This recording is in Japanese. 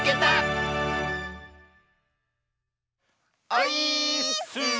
オイーッス！